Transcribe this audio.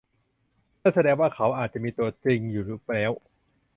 นั่นแสดงว่าเขาอาจจะมีตัวจริงอยู่แล้ว